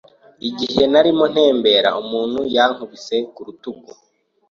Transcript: Igihe narimo ntembera, umuntu yankubise ku rutugu.